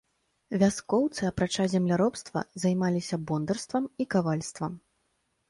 Вяскоўцы, апрача земляробства, займаліся бондарствам і кавальствам.